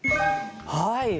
はい。